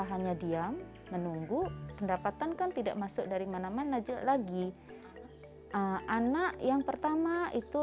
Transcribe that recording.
hanya diam menunggu pendapatan kan tidak masuk dari mana mana lagi anak yang pertama itu